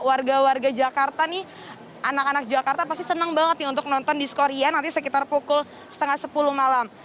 warga warga jakarta nih anak anak jakarta pasti senang banget nih untuk nonton dis korea nanti sekitar pukul setengah sepuluh malam